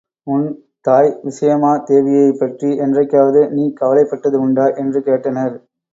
உன் தாய் விசயமா தேவியைப்பற்றி என்றைக்காவது நீ கவலைப்பட்டது உண்டா? என்று கேட்டனர்.